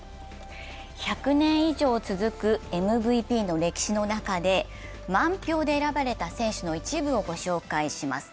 １００年以上続くＭＶＰの歴史の中で、満票で選ばれた選手の一部をご紹介します。